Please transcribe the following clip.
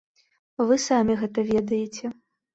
Вы самі гэта ведаеце.